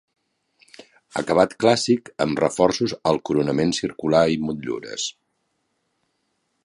Acabat clàssic amb reforços al coronament circular i motllures.